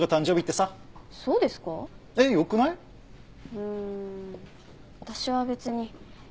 うーん私は別に。